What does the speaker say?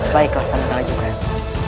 baiklah pak man kalah juga ya pak